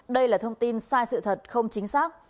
đây là thông tin sai sự thật không chính xác